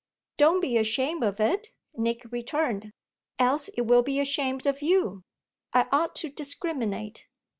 "Don't be ashamed of it," Nick returned "else it will be ashamed of you. I ought to discriminate.